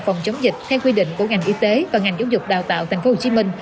phòng chống dịch theo quy định của ngành y tế và ngành giáo dục đào tạo tp hcm